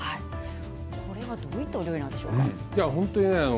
これはどういったお料理なんでしょうか。